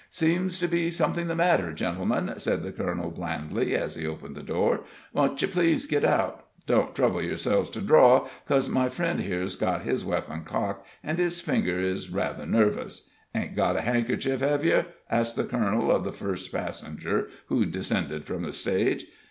"Seems to be something the matter, gentlemen," said the colonel, blandly, as he opened the door. "Won't you please git out? Don't trouble yourselves to draw, cos my friend here's got his weapon cocked, an' his fingers is rather nervous. Ain't got a han'kercher, hev yer?" asked the colonel of the first passenger who descended from the stage.